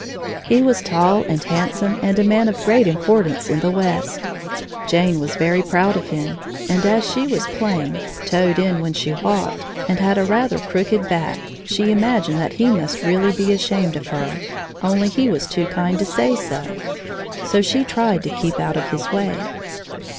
He was tall and handsome and a man of great importance in the west. Jane was very proud of him, and as she was plain, toed in when she walked, and had rather a crooked back, she imagined that he must really be ashamed of her, only he was too kind to say so. So she tried to keep out of his way.